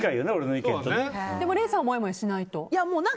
でも礼さんはもやもやしない？